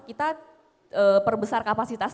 kita perbesar kapasitas